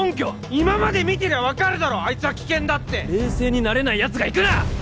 今まで見てりゃ分かるだろあいつは危険だって冷静になれないやつが行くな！